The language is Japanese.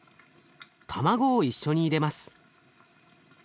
卵を一緒に入れます。